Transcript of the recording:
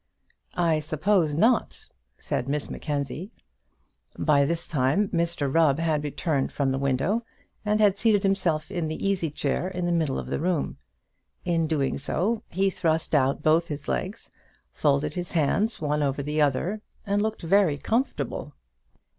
"I suppose not," said Miss Mackenzie. By this time Mr Rubb had returned from the window, and had seated himself in the easy chair in the middle of the room. In doing so he thrust out both his legs, folded his hands one over the other, and looked very comfortable.